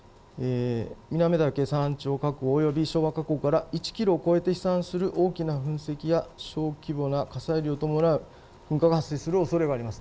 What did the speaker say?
南岳山頂火口および昭和火口から１キロを超えて飛散する大きな噴石や小規模な火砕流を伴う噴火が発生するおそれがあります。